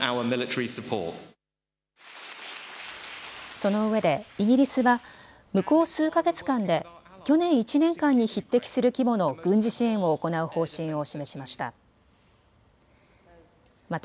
そのうえでイギリスは向こう数か月間で去年１年間に匹敵する規模の軍事支援を行う方針を示しました。